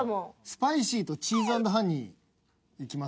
スパイシ―とチ―ズ＆ハニ―いきます？